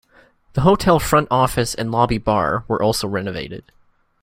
The hotel front office and lobby bar were also renovated.